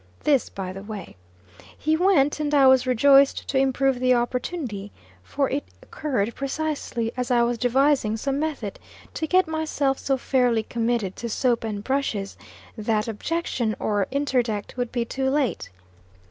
This by the way. He went, and I was rejoiced to improve the opportunity, for it occurred precisely as I was devising some method to get myself so fairly committed to soap and brushes, that objection or interdict would be too late.